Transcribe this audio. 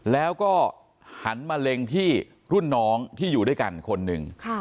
แล้วก็หันมาเล็งที่รุ่นน้องที่อยู่ด้วยกันคนหนึ่ง